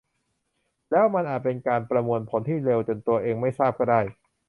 แล้วมันอาจเป็นการประมวลผลที่เร็วจนตัวเองไม่ทราบก็ได้